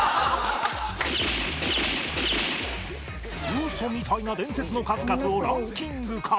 ウソみたいな伝説の数々をランキング化